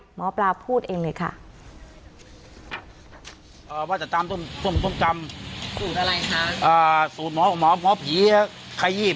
หมอปลาพูดเองเลยค่ะ